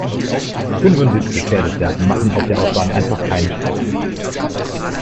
Fünfundsiebzig Pferdestärken machen auf der Autobahn einfach keinen Spaß.